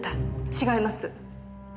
違います。